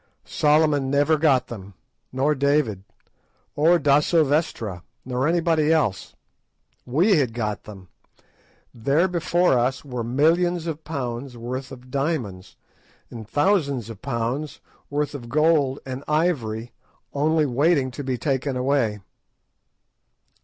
Solomon never got them, nor David, or Da Silvestra, nor anybody else. We had got them: there before us were millions of pounds' worth of diamonds, and thousands of pounds' worth of gold and ivory only waiting to be taken away.